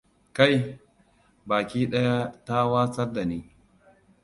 Kai, baki ɗaya ta watsar da ni.